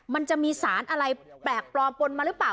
มันจะมีสารอะไรแปลกปลอมปนมาหรือเปล่า